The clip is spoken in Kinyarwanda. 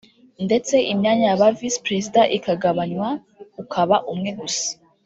ndetse imyanya ya ba Visi Perezida ikagabanywa ukaba umwe gusa